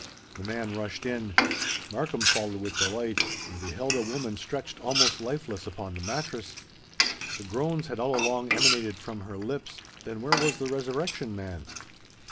The man rushed in; Markham followed with the light, and beheld a woman stretched almost lifeless upon the mattress. The groans had all along emanated from her lips:—then where was the Resurrection Man?